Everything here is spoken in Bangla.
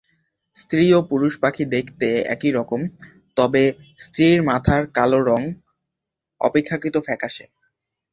স্ত্রী ও পুরুষ পাখি দেখতে একই রকম, তবে স্ত্রীর মাথার কালো রং অপেক্ষাকৃত ফ্যাকাসে।